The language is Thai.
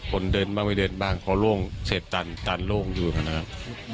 คนเดินบ้างไม่เดินบ้างเขาโล่งเสร็จตันตันโล่งอยู่นะครับ